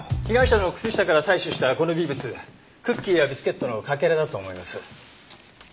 被害者の靴下から採取したこの微物クッキーやビスケットのかけらだと思います。